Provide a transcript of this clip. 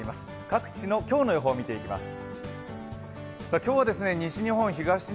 各地の今日の予報を見ていきます。